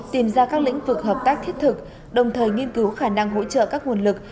tìm ra các lĩnh vực hợp tác thiết thực đồng thời nghiên cứu khả năng hỗ trợ các nguồn lực